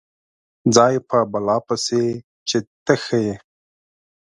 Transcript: ځای په بلا پسې چې ته ښه یې.